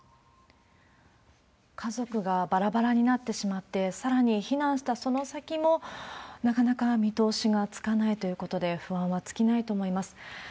家族がばらばらになってしまって、さらに避難したその先も、なかなか見通しがつかないということで、不安は尽きないと思います。